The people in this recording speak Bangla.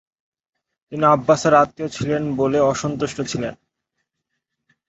তিনি আব্বাসার আত্মীয় ছিলেন বলে অসন্তুষ্ট ছিলেন।